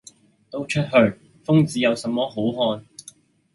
「都出去！瘋子有什麼好看！」